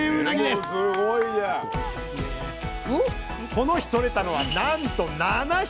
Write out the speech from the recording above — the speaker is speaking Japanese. この日取れたのはなんと７匹！